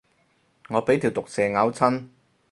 我俾條毒蛇咬親